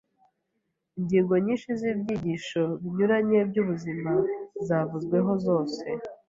ingingo nyinshi z’ibyigisho binyuranye by’ubuzima zavuzweho zose